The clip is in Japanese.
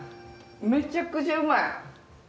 めちゃくちゃ美味い。